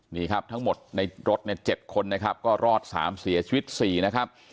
นี่ครับทั้งหมดในรถเนี่ย๗คนนะครับก็รอด๓เสียชีวิต๔นะครับ